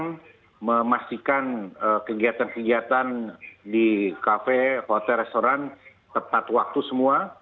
dan memastikan kegiatan kegiatan di kafe hotel restoran tepat waktu semua